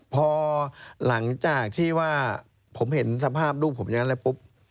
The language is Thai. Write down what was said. พอหลังจากที่ว่าผมเห็นสภาพลูกผมอย่างนั้นแล้วปุ๊บ